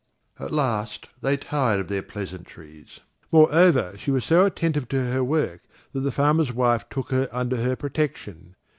At last they tired of their pleasantries; moreover she was so attentive to her work that the farmer's wife took her under her protection.